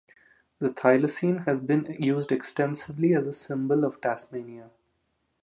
The thylacine has been used extensively as a symbol of Tasmania.